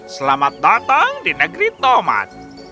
selamat datang di negeri tomat